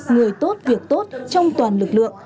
người tốt việc tốt trong toàn lực lượng